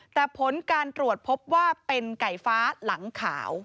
แต่ผลการตรวจพบว่าเป็นไก่ฟ้าหลังขาว